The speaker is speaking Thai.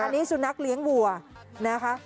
อันนี้สุนัขเลี้ยงวัวนะคะ